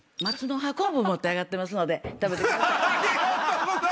持って上がってますので食べてください。